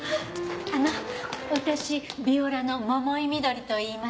あの私ヴィオラの桃井みどりといいます。